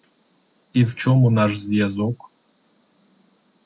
І в чому наш зв'язок?